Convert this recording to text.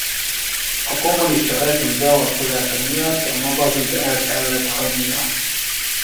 A kommunista rezsim beavatkozása miatt a magazint el kellett hagynia.